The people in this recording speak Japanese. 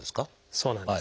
そうなんです。